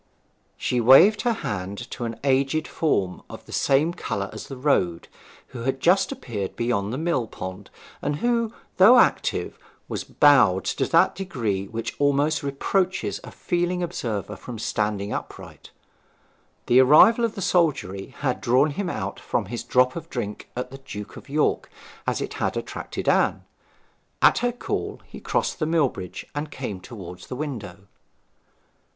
She waved her hand to an aged form of the same colour as the road, who had just appeared beyond the mill pond, and who, though active, was bowed to that degree which almost reproaches a feeling observer for standing upright. The arrival of the soldiery had drawn him out from his drop of drink at the 'Duke of York' as it had attracted Anne. At her call he crossed the mill bridge, and came towards the window.